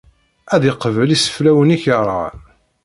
Ad d-iqbel iseflawen-ik yerɣan!